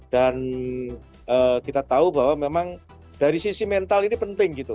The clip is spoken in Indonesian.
dan kita tahu bahwa memang dari sisi mental ini penting